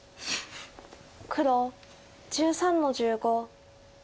黒１３の十五。